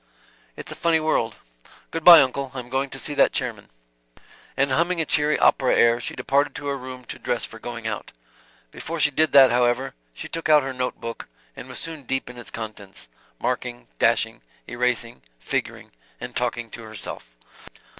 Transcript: "It's a funny world. Good bye, uncle. I'm going to see that chairman." And humming a cheery opera air, she departed to her room to dress for going out. Before she did that, however, she took out her note book and was soon deep in its contents; marking, dashing, erasing, figuring, and talking to herself.